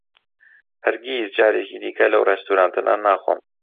ھەرگیز جارێکی دیکە لەو ڕێستورانتە نان ناخۆم.